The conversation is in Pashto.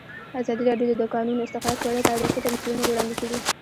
ازادي راډیو د د کانونو استخراج په اړه تاریخي تمثیلونه وړاندې کړي.